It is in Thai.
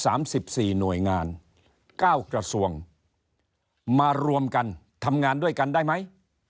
สามสิบสี่หน่วยงานเก้ากระทรวงมารวมกันทำงานด้วยกันได้ไหม